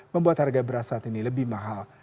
membuat harga beras saat ini lebih mahal